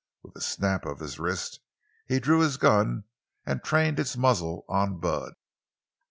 With a snap of his wrist he drew his gun and trained its muzzle on Bud.